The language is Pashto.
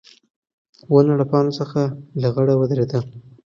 ونه له پاڼو څخه لغړه ودرېده.